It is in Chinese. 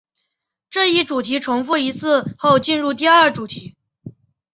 这一主题重复一次后进入第二主题。